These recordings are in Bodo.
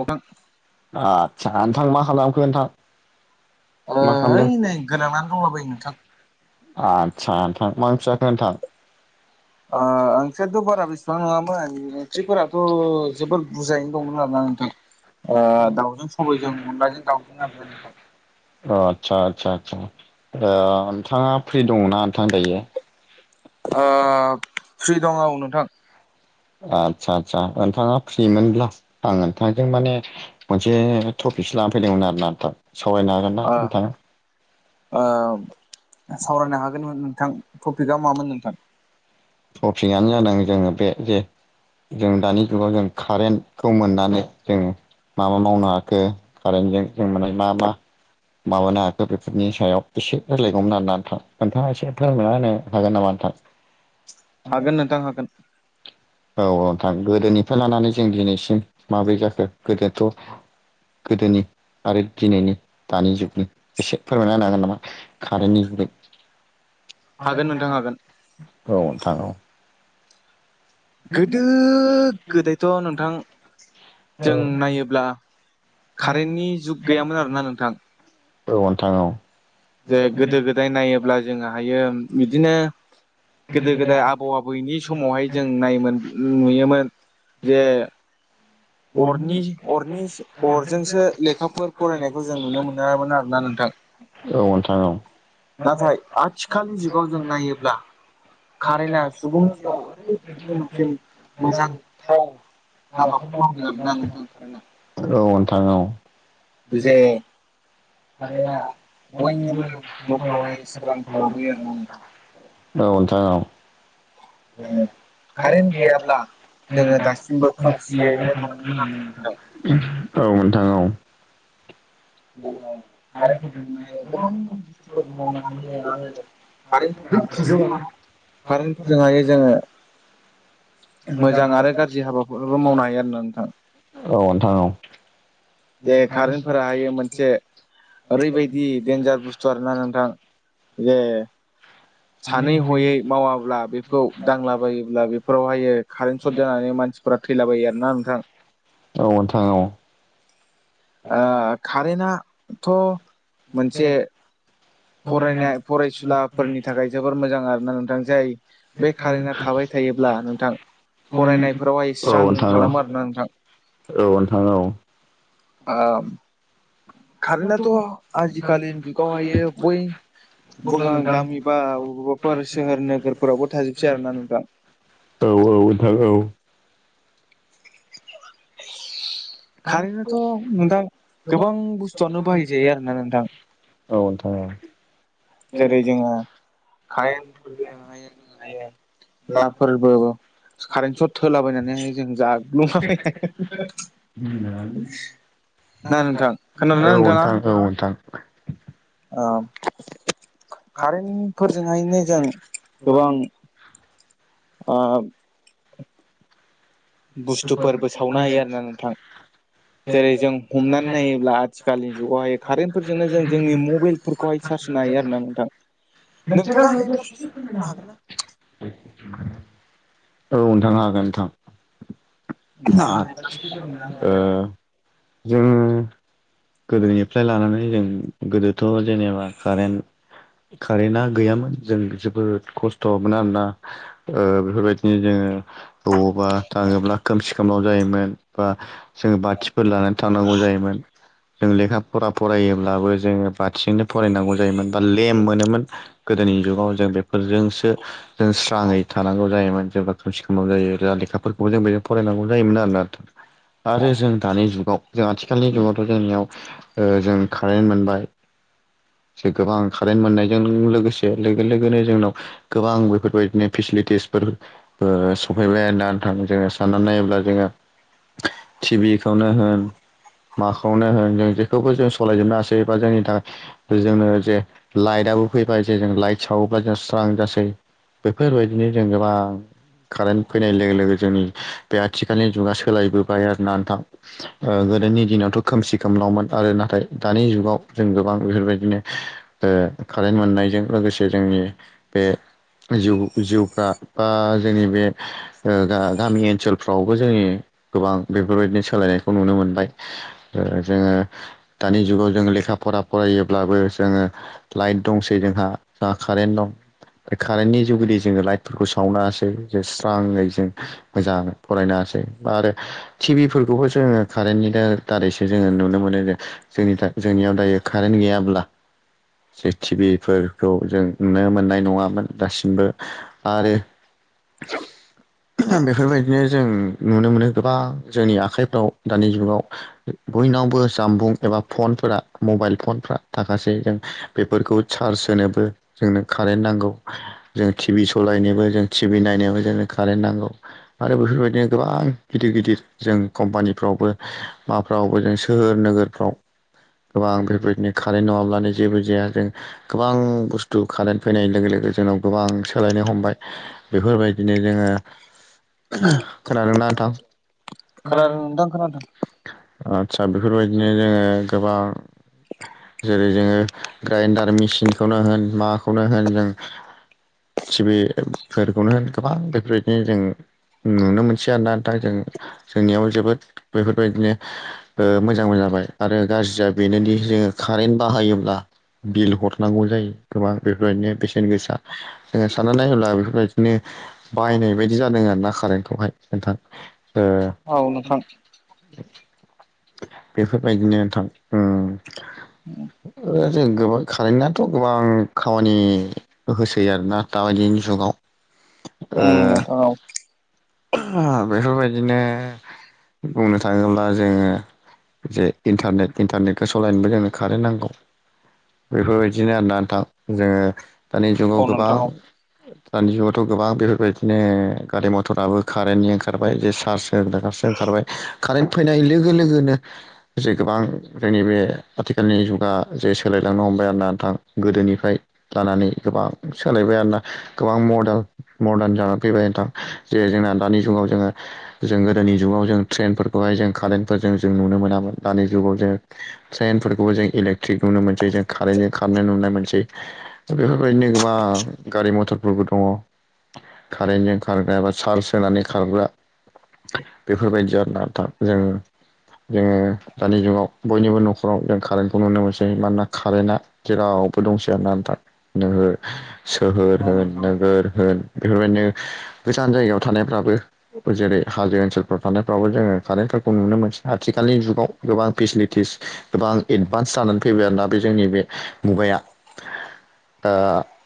औ आ सा नोंथां मा खालामखो नोंथां? ओ मा खालामदों? ओइ नै गोलांनानै दंला बायो नोंथां। आदसा नोंथां मा ओंख्रि जाखो नोंथां? ओ आं सियारथ' बारा बेसेबां नङामोन। ओंख्रिफोराथ' जोबोर बुजायैनो दङो नामा नोंथां ओ दाउजों सबायजों अनलाजों दाउजों आरो ना नोंथां। सा आदसा आदसा ओ नोंथाङा फ्रि दङना नोंथां दायो? ओ फ्रि दं औ नोंथां। आदसा आदसा नोंथाङा फ्रिमोनब्ला आं नोंथांजों माने मोनसे टपिकसो लानानै फैदोंमोन आरो ना नोंथां। सावरायनो हागोन ना ओ नोंथाङा? ओ सावरायनो हागोनमोन नोंथां थप फिगा मामोन नोंथां? थपिकआनो जादों जोङो बे जे जों दानि जुगाव जों कारेन्टखौ मोननानै जों मा मा मावनो हाखो कारेन्टजों जों माने मा मा माबानो हाखो बेफोरनि सायाव इसे रायलायगौमोन ना नोंथां नोंथाङा एसे फोरमायना होनो हागोन नामा नोंथां? हागोन नोंथां हागोन। औ औ नोंथां गोदोनिफ्राय लानानै जों दिनैसिम माब्रै जाखो गोदोथ' गोदोनि आरो दिनैनि दानि जुगनि इसे फोरमायना होनो हागोन नामा कारेन्टनि बे हागोन नोंथां हागोन औ थां औ गोदो गोदायथ' नोंथां जों नायोब्ला कारेन्टनि जुग गैयामोन आरो ना नोंथां। औ नोंथां औ जे गोदो गोदाय नायोब्ला जोङो हायोम बिदिनो गोदो गोदाय आबौ आबैनि समावहाय जों नायोमोन नुयोमोन जे अरनि अरनि अरजोंसो लेखाफोर फरायनायखौ जों नुनो मोनामोन आरोना नोंथां औ नोंथां औ नाथाय आथिखालनि जुगाव जों नायोब्ला खारेना सुबुं [unintelligible] औ थां औ जे कारेन्टआ बयनिबो न'खरावहाय न'फोरावहाय [unintelligible] सोरांखौ लाबोयो आरोना औ नोंथां औ औ नोंथां कारन्ट गैयाब्ला जोङो जां दासिमबो [unintelligible] खोमसियैनो थानांगौमोन आरोना नोंथां [unintelligible] औ नोंथां औ। जोङो [unintelligible] कारेन्टफोरजोंहाय गोबां मोजां बुस्थुफोरखौ मावनो हायो आरो कारेन्टफोरा गाज्रि कारेन्टफोरजोंहाय जोङो [unintelligible] मोजां आरो औ गाज्रि हाबाफोरबो मावनो हायो आरोना नोंथां नोंथां औ। जे कारेन्ट फोराहाय मोनसे ओरैबायदि देन्जार बुस्थु आरोना नोंथां जे सानै हयै मावाब्ला बेखौ दांलाबायोब्ला बेफोरावहायो कारेन्ट सर्ट जानानै मानसिफोरा थैलाबायो आरोना नोंथां। आ खारेना थ' मोनसे फरायनाय फरायसुलाफोरनि थाखाय जोबोर मोजां आरो ना नोंथां जाय बे कारेन्टआ थाबाय थायोब्ला नोंथां फरायनायफोरावहाय स्रां खालामो आरोना नोंथां। औ नोंथां औ आम। कारेन्टथ' आजिखालि जुगावहाय बै गामि बा वबेबाफोर सोहोर नोगोरफोरावबो थाजोबसै आरोना नोंथां। औ नोंथां औ [inaudible] कारेन्टआथ' नोंथां गोबां बुस्थुआनो बाहायजायो आरोना नोंथां। औ नोंथां औ। जेरै जोङो कारेन्टफोरजोंहाय [unintelligible] नाफोरबो कारेन्ट सट होलाबायनानैहाय जों जाग्लुंला बायनो [unintelligible] ना नोंथां? औ नोंथां औ खोनादोंना नोंथाङा? [inaudible] आम। कारेन्टफोरजोंहायनो जों गोबां आब बुस्थुफोरबो सावनो हायो आरो ना नोंथां जेरै जों हमनानै नायोब्ला आथिखालनि जुगावहाय कारेन्टफोरजोंनो जों जोंनि मबाइलफोरखौहाय चार्ज होनो हायो आरो ना नोंथां। नोंथाङा हायोब्ला ससे फोरमायनो हागोन ना? [unintelligible] आ ना ससे फोरमायना ओ होबानो जाबाय? जों गोदोनिफ्राय लानानै जों गोदोथ' जेनेबा कारेन्ट कारेन्टआ गैयामोन जों फोर खस्थ'मोन आरोना ओ बेफोरबायदिनो जोङो बबावबा थाङोब्ला खोमसि खोमलाव जायोमोन बा जोङो बाथिफोर लानानै थांनांगौ जायोमोन। जों लेखा फरा फरायोब्लाबो जोङो बाथिजोंनो फरायनांगौ जायोमोन बा लेम मोनोमोन गोदोनि जुगाव जों बेफोरजोंसो जों स्राङै थानांगौ जायोमोन जेब्ला खोमसि खोमलाव जायो अब्ला लेखाफोर खौ जों बेजों फरायनांगौ जायोमोन आरोना। आरो जों दानि जुगाव जों आथिखालनि जुगावथ जोंनियाव ओ जों कारेन्ट मोनबाय जे गोबां कारेन्ट मोननायजों लोगोसे लोगो लोगोनो जोंनाव गोबां बेफोरबायदिनो फेसिलिटिसफोर ओ सफैबाय आरोना जोङो साननानै नायोब्ला जोङो टिभि खौनो होन माखौनो होन जों जेखौबो जों सलायजोबनो हासै बा जोंनि थाखाय जोंनो जे लाइटआबो फैबाय जे जों लाइट सावोब्ला जों स्रां जासै बेफोरबायदिनो जों गोबां कारेन्ट फैनाय लोगो लोगो जोंनि बे आथिखालनि जुगा सोलायबोबाय आरोना नोंथां ओ गोदोनि दिनावथ खोमसि खोमलावमोन आरो नाथाय दानि जुगाव जों गोबां बेफोरबायदिनो ओ कारेन्ट मोननायजों लोगोसे जोंनि बे जिउ जिउफ्रा बा जोंनि बे ओ गामि ओनसोलफ्रावबो जोंनि गोबां बेफोरबायदिनो सोलायनायखौ नुनो मोनबाय ओ जोङो दानि जुगाव जोङो लेखा फरा फरायोब्लाबो जोङो लाइट दंसै जोंहा जा कारेन्ट दं बे कारेन्टनि जुगैदि जोङो लाइटफोरखौ सावनो हासै जे स्राङै जों मोजां फरायनोहासै बा आरो टिभिफोरखौबो जोङो कारेन्टनि दा दारैसो जोङो नुनो मोनो जे जोंनि जोंनियाव दायो कारेन्ट गैयाब्ला जे टिभिफोरखौ जों नुनो मोननाय नङामोन दासिमबो आरो बे बेफोरबायदिनो जों नुनो मोनो गोबां जोंनि आखाइफ्राव दानि जुगाव बयनावबो जामबुं एबा फनफोरा मबाइल फनफ्रा थाखासै जों बेफोरखौ चार्ज होनोबो जोंनो कारेन्ट नांगौ जों टिभि सालायनोबो जों टि भि नायनायाव जोंनो कारेन्ट नांगौ आरो बेफोरबायदिनो गोबां गिदिर गिदिर जों कम्पानिफ्रावबो माबाफ्रावबो जों सोहोर नोगोरफ्राव गोबां बेफोरबायदिनो कारेन्ट नङाब्लानो जेबो जाया जों गोबां बुस्थु खारेन्ट फैनाय लोगो लोगो जोंनाव गोबां सोलायनो हमबाय बेफोरबायदिनो जोङो [unintelligible] खोनादोंना थां खोनादों नोंथां खोनादों आदसा बेफोरबायदिनो जोङो गोबां जेरै जोङो ग्राइन्डार मेसिनखौनो होन मा खौनो होन जों टिभिफोरखौनो होन गोबां बेफोरबायदिनो जों नुनो मोनसै आरोना नोंथां जों जोंनियाव जोबोद बेफोरबायदिनो ओ मोजांबो जाबाय आरो गाज्रिया बेनोदि जोङो कारेन्ट बाहायोब्ला बिल हरनांगौ जायो गोबां बेफोरबायदिनो बेसेन गोसा जोङो साननानै नायोब्ला बेफोरबायदिनो बायनाय बायदि जादों आरो ना कारेन्टखौहाय नोंथां औ ओ नोंथां बेफोरबायदिनो नोंथां उम जों गोबां कारेन्टनाथ गोबां खामानि होसै आरोना दाबायदिनि जुगाव ओ उम नोंथां औ बेफोरबायदिनो बुंनो थाङोब्ला जोङो जे इन्टारनेट इन्टारनेटखो सलायनोबो जोंनो कारेन्ट नांगौ बेफोरबायदिनो आरोना नोंथां जोङो दानि जुगाव गोबां औ दानि जुगावथ गोबां बेफोरबायदिनो गारि मथराबो कारेन्टनि ओंखारबाय जे चार्ज होग्रारसो ओंखारबाय कारेन्ट फैनाय लोगो लोगोनो जे गोबां जोंनि बे आथिखालनि जुगा जे सोलायलांनो हमबाय आरो ना नोंथां गोदोनिफ्राय लानानै गोबां सोलायबाय आरो ना गोबां मदाल मदारन जानानै फैबाय नोंथां जे जोंना दानि जुगाव जोङो जों गोदोनि जुगाव जों ट्रेनफोरखौहाय जों कारेन्टफोरजों जों नुनो मोनामोन दानि जुगाव जों ट्रेनफोरखौबो जों इलेक्ट्रिक नुनो मोनसै जों कारेन्टजों खारनो नुनो मोनसै दा बेफोरबायदिनो गोबां गारि मथरफोरबो दङ कारेन्टजों खारग्रा एबा चार्ज होनानै खारग्रा बेफोरबायदि आरो ना नोंथां जों जोङो दानि जुगाव बयनिबो न'खराव जों कारेन्टखौ नुनो मोनसै मानोना कारेन्टआ जेरावबो दंसै आरोना नोंथां नोगोर सोहोर औ नोंथां औ होन नोंथां औ नोगोर होन बेफोरबायदिनो गोजान जायगायाव थानायफ्राबो जेरै हाजो ओनसोलफ्राव थानायफ्रावबो जोङो कारेन्टफोरखौ नुनो मोनसै आथिखालनि जुगाव गोबां फेसिलिटिस गोबां एडभान्स जानानै फैबाय आरोना बे जोंनि बे मुगाया ओ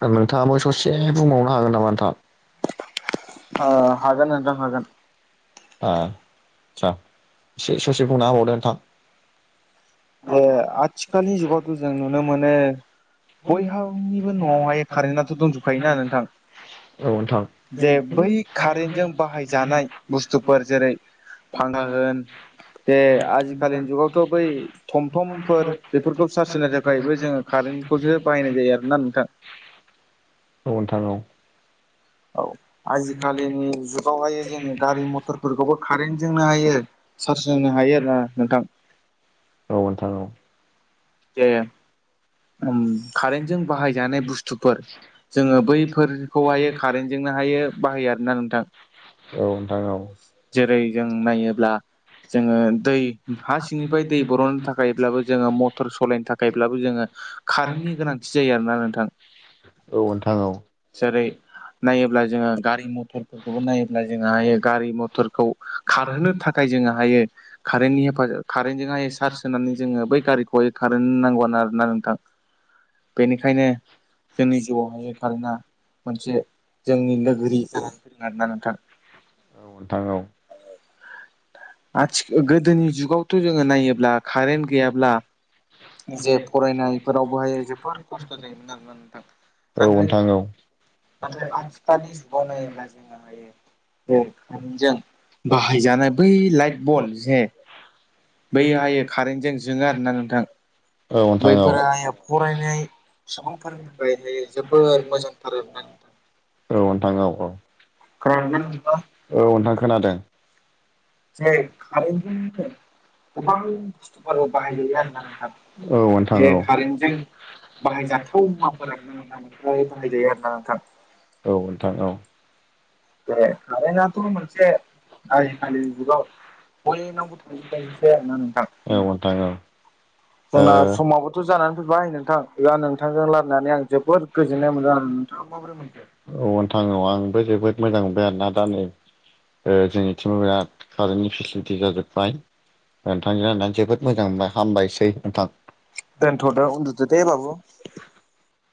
दा नोंथाङाबो ससे बुंबावनो हागोन नामा नोंथां ओ हागोन नोंथां हागोन आ दसा से ससे बुंना होबावदो नोंथां ओ आथिखालनि जुगावथ जों नुनो मोनो बयहानिबो नआवहाय कारेन्टथ दंजोबखायो नालाय नोंथां औ जे बै कारेन्टजों बाहायजानाय बुस्थुफ फोर जेरै फांखा होन बे आजिखालिनि जुगावथ बै त तमफोर बेफोरखौ चार्स होनो थाखायबो जोङो कारेन्टखौसो बाहायनाय जायो आरोना नोंथां नोंथां औ नोंथां औ औ आजिखालिनि जुगावहाय जोङो गारि मथरफोरखौबो कारेन्टजोंनो हायो चार्ज होनो हायो आरो ना नोंथां औ नोंथां औ जे उम कारेनजों बाहायजानाय बुस्थुफोर जोङो बैफोरखौहाय कारेन्ट जोंहाय बेयो बाहायो आरोना नोंथां। औ नोंथां औ। जेरै जों नायोब्ला जोङो दै हा सिंनिफ्राय दै बर'ननो थाखायब्लाबो जोङो मटर सालायनो थाखायब्लाबो जोङो कारेन्टनि गोनांथि जायो आरोना नोंथां। औ नोंथां औ जेरै नायोब्ला जोङो गारि मथरफोरखौबो नायोब्ला जोङो हायो गारि मट फोरखौ खारहोनो थाखाय जोङो हायो कारेन्टनि हेफाजाब कारेन्टजोंहाय चार्ज होनानै जोङो बै गारिखौहाय कारोन नांगौ ना आरो ना नोंथां। बेनिखायनो जोंनि जिउआवहाय कारेन्टआ मोनसे जोंनि लोगोरि। फोर आरो ना नोंथां। औ नोंथां औ। आथि गोदोनि जुगावथ' जोङो नायोब्ला कारेन्ट गैयाब्ला जे फरायनायफोरावबोहाय जोबोर खस्थ' जायोमोन आरोना नोंथां औ नाथाय नोंथां औ नाथाय आथिखालनि जुगाव नायोब्ला जोङोहायो बे कारेनजों बाहायजानाय बै लाइट बल जे बै हायो कारेन्टजों जोङो आरो ना नोंथां। औ नोंथां औ बैफोरा [unintelligible] हाय सुबुंफोरनि थाखायहाय जोबोर मोजांथार आरो ना नोंथां। औ नोंथां औ औ। खोनादों ना नोंथाङा? औ खोनादों। जे कारेन्टजोंनो गोबां बुस्थुफोर बाहायलैयो आरोना नोंथा। औ नोंथां औ। कारेन्टजों बाहाय जा, थाव मुवाफोरानो नोंथां फ्राय बाहायजायो आरो ना नोंथां। औ नोंथां औ। बे कारेन्टथ' मोनसे आजिखालिनि जुगाव बयनावबो थांजोबबाय एसे आरो ना नोंथां। जोंना समावबोथ' जानानै फैबाय नोंथां एबा नोंथांजों रालायनानै आं जोबोद गोजोननाय मोनदों आरो नोंथाङा माबोरै मोनखो? औ नोंथां औ आंबो जोबोद मोजां मोनबाय आरोना दा नै ओ जोंनिथिंबो बिराद कारेन्टनि फेसिलिटि जाजोबबाय नोंथांजों रायनानै जोबोद मोजां मोनबाय हामबायसै नोंथां। दोन्थ'दो उन्दुदो दे बाबु।